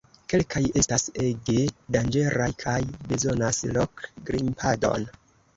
Kelkaj estas ege danĝeraj kaj bezonas rok-grimpadon.